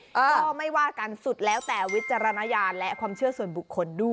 ก็ไม่ว่ากันสุดแล้วแต่วิจารณญาณและความเชื่อส่วนบุคคลด้วย